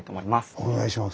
お願いします。